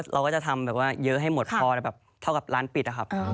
เราก็จะทำเยอะให้หมดพอแบบเท่ากับร้านปิดครับ